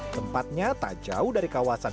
tempatnya tak jauh dari kawasan